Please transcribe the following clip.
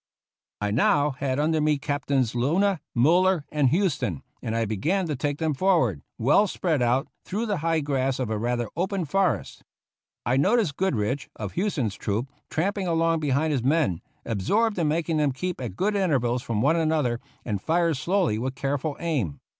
I now had under me Captains Luna, MuUer, and Houston, and I began to take them forward, well spread out, through the high grass of a rather open forest. I noticed Goodrich, of Houston's troop, tramping along behind his men, absorbed in making them keep at good intervals from one another and fire slowly with careful aim.